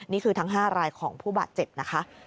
นี่คือทั้ง๕รายของผู้บาดเจ็บนะคะ